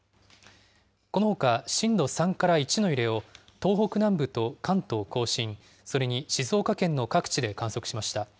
このほか震度３から１の揺れを、東北南部と関東甲信、それに静岡県の各地で観測しました。